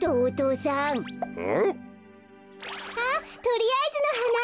とりあえずのはな。